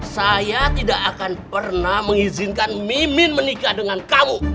saya tidak akan pernah mengizinkan mimin menikah dengan kamu